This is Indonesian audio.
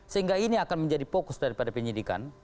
sehingga ini akan menjadi fokus daripada penyidikan